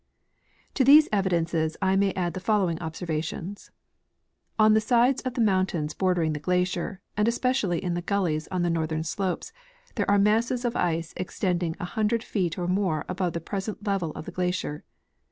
To these evidences I may add the following observations : On the sides of the mountains bordering the glacier, and esijeciall}' in the gullies on the northern slopes, there are masses of ice ex tending a hundred feet or more above the present level of the glacier.